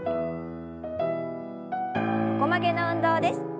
横曲げの運動です。